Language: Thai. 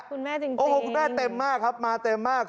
คุณแม่จริงโอ้โหคุณแม่เต็มมากครับมาเต็มมาก